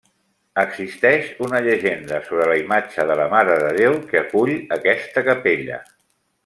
Existeix una llegenda sobre la imatge de la Mare de Déu que acull aquesta capella.